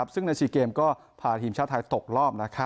ซึ่งใน๔เกมก็พาทีมชาติไทยตกรอบ